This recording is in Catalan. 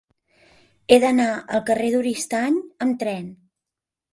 He d'anar al carrer d'Oristany amb tren.